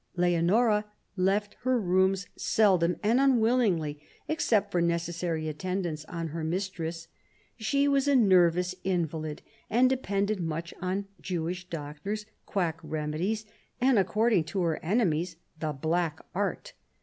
Leonora left her rooms seldom and unwillingly, except for necessary attendance on her mistress. She was a nervous invalid, and depended much on Jewish doctors, quack remedies, and — according to her enemies — the black art.